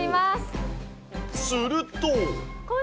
すると。